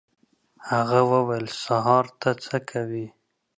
هغه وویل: «سهار ته څه کوې؟»